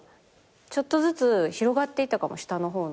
ちょっとずつ広がっていったかも下の方の。